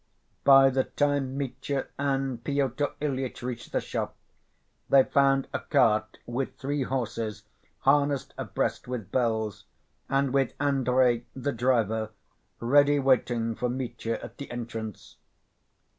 By the time Mitya and Pyotr Ilyitch reached the shop, they found a cart with three horses harnessed abreast with bells, and with Andrey, the driver, ready waiting for Mitya at the entrance.